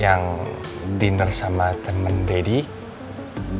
yang diner sama temen daddy